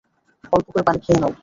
অল্প করে পানি খেয়ে নাও।